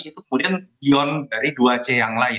itu kemudian beyond dari dua c yang lain